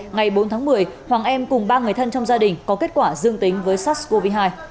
ngày bốn tháng một mươi hoàng em cùng ba người thân trong gia đình có kết quả dương tính với sars cov hai